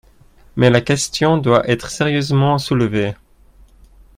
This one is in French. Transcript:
Mais la question doit être sérieusement soulevée.